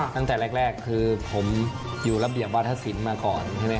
ตั้งแต่แรกคือผมอยู่รับเหลี่ยววาธศิลป์มาก่อน